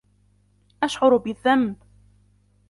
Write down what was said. اشعر بالذنب.